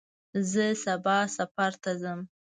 زه سبا سفر ته ځم.